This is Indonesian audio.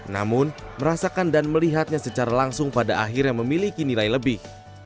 namun merasakan dan melihatnya secara langsung pada akhirnya memiliki nilai lebih